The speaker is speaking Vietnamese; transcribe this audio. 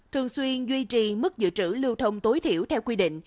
thường xuyên duy trì mức dự trữ lưu thông tối thiểu theo quy định